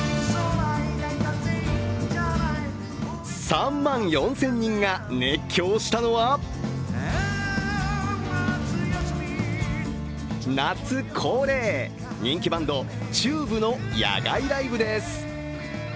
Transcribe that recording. ３万４０００人が熱狂したのは夏恒例、人気バンド・ＴＵＢＥのの野外ライブです。